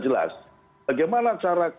jelas bagaimana cara